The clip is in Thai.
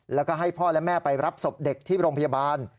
แล้วก็ให้พ่อและแม่ไปรับศพเด็กที่โรงพยาบาล